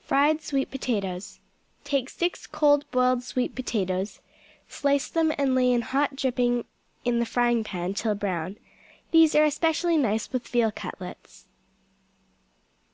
Fried Sweet Potatoes Take six cold boiled sweet potatoes, slice them and lay in hot dripping in the frying pan till brown. These are especially nice with veal cutlets.